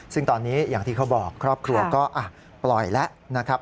ซึ่งตอนนี้อย่างที่เขาบอกครอบครัวก็ปล่อยแล้วนะครับ